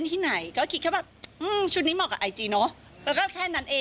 ธรรมดา